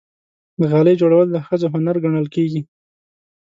د غالۍ جوړول د ښځو هنر ګڼل کېږي.